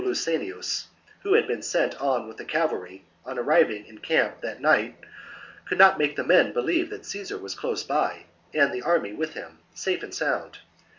SO great that Gaius Volusenus, who had been sent on with the cavalry, on arriving in camp that night, could not make the men believe that Caesar was close by and the army with him, safe and sound.